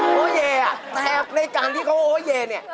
โอเยแทบในการที่เขาโอเยเนี่ย